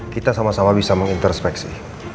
kita sama sama bisa mengintrospeksi